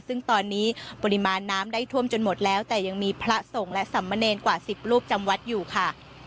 ซึ่งตอนนี้ปริมาณน้ำได้ท่วมจนหมดแล้วแต่ยังมีพระสงฆ์และสำมะเนรกว่า๑๐ลูกจำวัดอยู่ค่ะ